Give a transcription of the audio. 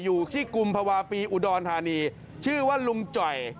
อยู่คิกุมพวะปีอุดรฐานีชื่อว่ารุ่งจ่อย